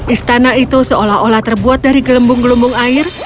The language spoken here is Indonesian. istana itu seolah olah terbuat dari gelembung gelembung air